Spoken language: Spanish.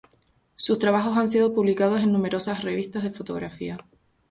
Sus trabajos han sido publicados en numerosas revistas de fotografía.